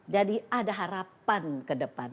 jadi ada harapan ke depan